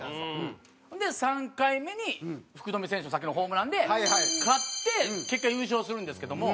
で３回目に福留選手のさっきのホームランで勝って結果優勝するんですけども。